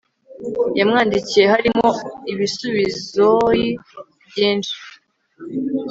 yamwandikiye harimo ibisubizoi byinshi